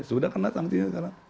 sudah kena sanksinya sekarang